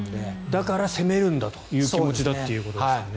だから攻めるんだという気持ちだということですね。